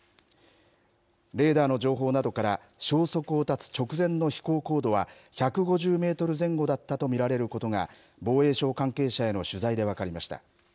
レーダーの情報などから、消息を絶つ直前の飛行高度は、１５０メートル前後だったと見られることが、防衛省関係者への取材で分かりました。